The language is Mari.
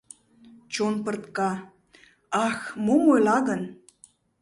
Чон пыртка: «Ах, мом ойла гын?»